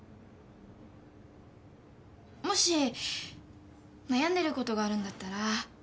もし悩んでることがあるんだったら俺。